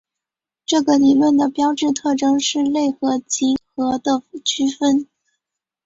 这个理论的标志特征是类和集合的区分。